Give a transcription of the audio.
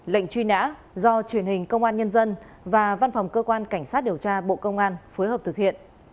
lệnh truy nã do truyền hình công an nhân dân và văn phòng cơ quan cảnh sát điều tra bộ công an phối hợp thực hiện